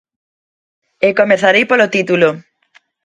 E comezarei polo título.